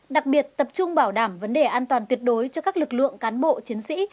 đặc biệt tập trung bảo đảm vấn đề an toàn tuyệt đối cho các lực lượng cán bộ chiến sĩ